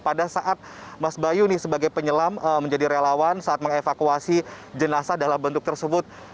pada saat mas bayu nih sebagai penyelam menjadi relawan saat mengevakuasi jenazah dalam bentuk tersebut